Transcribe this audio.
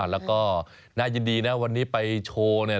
แล้วก็น่ายินดีนะวันนี้ไปโชว์เนี่ย